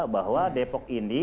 bahwa depok ini